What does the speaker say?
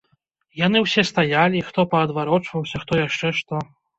Яны ўсе стаялі, хто паадварочваўся, хто яшчэ што.